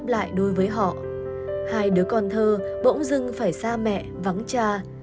tương lai đối với họ hai đứa con thơ bỗng dưng phải xa mẹ vắng cha